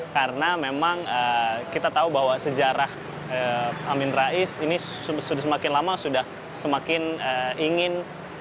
karena memang kita tahu bahwa sejarah amin rais ini sudah semakin lama sudah semakin ingin